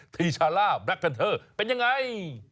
ธิชาล่าแบล็คแพนเทอร์เป็นอย่างไร